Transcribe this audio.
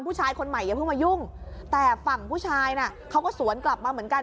ผู้ชายคนใหม่อย่าเพิ่งมายุ่งแต่ฝั่งผู้ชายน่ะเขาก็สวนกลับมาเหมือนกัน